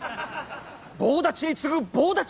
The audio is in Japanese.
棒立ちに次ぐ棒立ち！